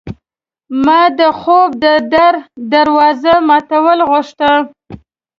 ما د خوب د در د دوازو ماتول غوښته